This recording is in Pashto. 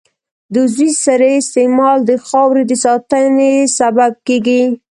د عضوي سرې استعمال د خاورې د ساتنې سبب کېږي.